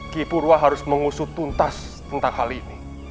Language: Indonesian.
kipurwa harus mengusut tuntas tentang hal ini